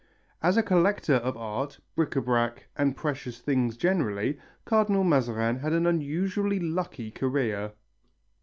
As a collector of art, bric à brac and precious things generally, Cardinal Mazarin had an unusually lucky career.